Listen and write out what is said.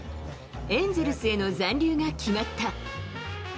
エンゼルスへの残留が決まった。